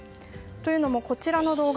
というのもこちらの動画。